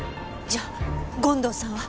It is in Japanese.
じゃあ権藤さんは。